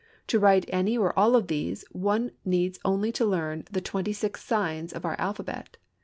To write any or all of these one needs only to learn the twenty six signs of our alphabet.